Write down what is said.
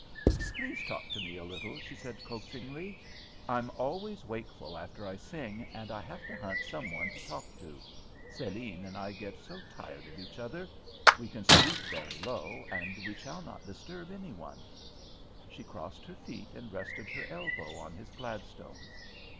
"Please talk to me a little," she said coaxingly. "I'm always wakeful after I sing, and I have to hunt some one to talk to. Céline and I get so tired of each other. We can speak very low, and we shall not disturb any one." She crossed her feet and rested her elbow on his Gladstone.